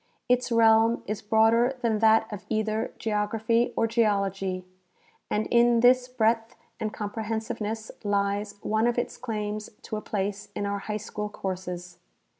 Its realm is broader than that of either geography or geology, and in this breadth and comprehensive ness lies one of its claims to a place in our high school courses.